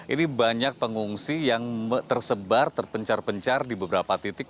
ini banyak pengungsi yang tersebar terpencar pencar di beberapa titik